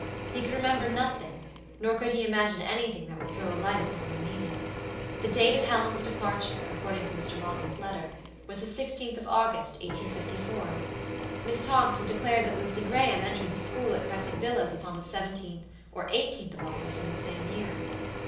He could remember nothing, nor could he imagine anything that would throw a light upon their meaning. The date of Helen's departure, according to Mr. Maldon's letter, was the 16th of August, 1854. Miss Tonks had declared that Lucy Graham entered the school at Crescent Villas upon the 17th or 18th of August in the same year.